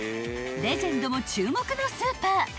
［レジェンドも注目のスーパー］